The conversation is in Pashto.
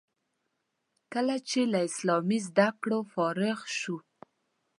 کله چې له اسلامي زده کړو فارغ شو.